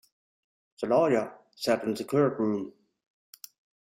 The lawyer sat in the courtroom.